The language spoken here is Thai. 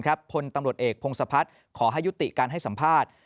พลตำรวจเอกพงศพัฒน์ขอให้ยุติการให้สัมภาษณ์